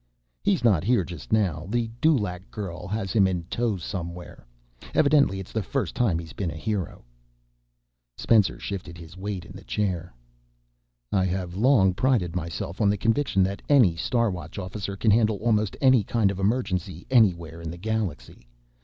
"He's not here just now. The Dulaq girl has him in tow, somewhere. Evidently it's the first time he's been a hero—" Spencer shifted his weight in his chair. "I have long prided myself on the conviction that any Star Watch officer can handle almost any kind of emergency anywhere in the galaxy.